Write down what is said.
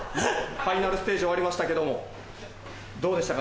ファイナルステージ終わりましたけどもどうでしたか？